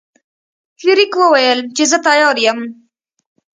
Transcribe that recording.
فلیریک وویل چې زه تیار یم.